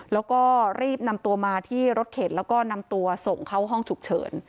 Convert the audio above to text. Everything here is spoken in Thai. แล้วก็รีบนำตัวมาที่รถเข็นแล้วก็นำตัวส่งเข้าห้องฉุกเฉิน